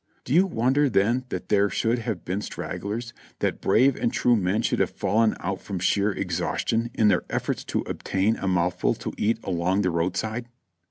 "Do you wonder then that there should have been stragglers, that brave and true men should have fallen out from sheer ex haustion in their efforts to obtain a mouthful to eat along the road side?"